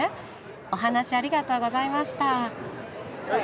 お話ありがとうございました。